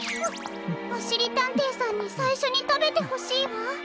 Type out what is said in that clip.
おしりたんていさんにさいしょにたべてほしいわ。